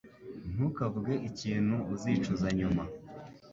Ntukavuge ikintu uzicuza nyuma.